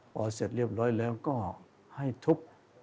พอเสร็จเรียบร้อยแล้วก็ให้ทุบ